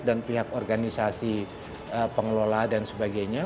dan pihak organisasi pengelola dan sebagainya